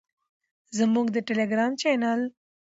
زموږ د ټیلیګرام چینل